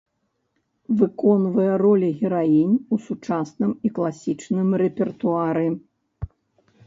Выконвае ролі гераінь у сучасным і класічным рэпертуары.